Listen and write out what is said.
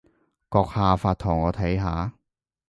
閣下發圖我睇下